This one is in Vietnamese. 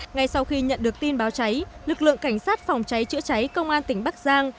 ngay sau khi nhận được tin báo cháy lực lượng cảnh sát phòng cháy chữa cháy công an tỉnh bắc giang